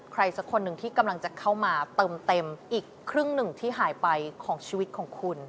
สักคนหนึ่งที่กำลังจะเข้ามาเติมเต็มอีกครึ่งหนึ่งที่หายไปของชีวิตของคุณ